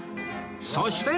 そして！